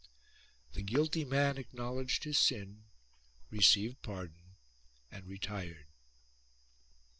The guilty man acknowledged his sin, received pardon and retired.